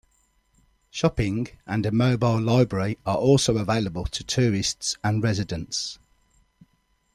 Shopping and a mobile library are also available to tourists and residents.